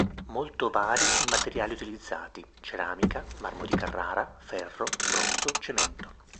Molto vari i materiali utilizzati: ceramica, marmo di Carrara, ferro, bronzo, cemento.